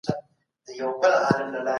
د کورنۍ مشر بايد د ښو اخلاقو مثال وښيي.